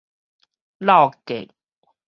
落格